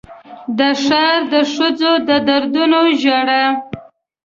د ښار د ښځو د دردونو ژړا